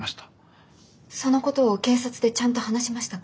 そのことを警察でちゃんと話しましたか？